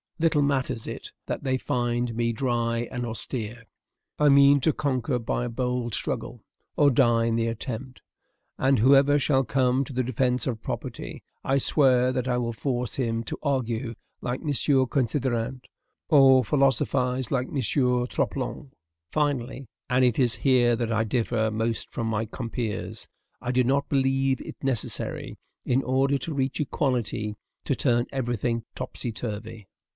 Little matters it that they find me dry and austere. I mean to conquer by a bold struggle, or die in the attempt; and whoever shall come to the defence of property, I swear that I will force him to argue like M. Considerant, or philosophize like M. Troplong. Finally, and it is here that I differ most from my compeers, I do not believe it necessary, in order to reach equality, to turn every thing topsy turvy.